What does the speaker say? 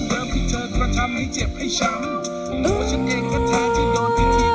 โดนเขาทำเท่าไหร่หลอกลวงแค่ไหนไม่เคยจะจำ